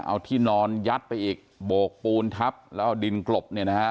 เอาที่นอนยัดไปอีกโบกปูนทับแล้วเอาดินกลบเนี่ยนะฮะ